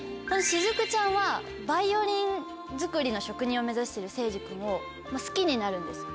雫ちゃんはバイオリン作りの職人を目指している聖司君を好きになるんです。